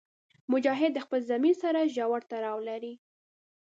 مجاهد د خپل ضمیر سره ژور تړاو لري.